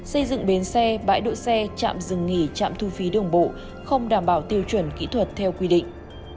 xây dựng bến xe bãi đỗ xe chạm dừng nghỉ chạm thu phí đường bộ không đảm bảo tiêu chuẩn kỹ thuật theo quy định